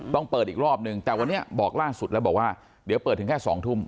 ต้องเปิดอีกรอบนึงแต่วันนี้บอกล่าสุดแล้วบอกว่าเดี๋ยวเปิดถึงแค่๒ทุ่ม